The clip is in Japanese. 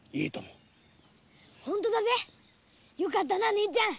本当だねよかったな姉ちゃん。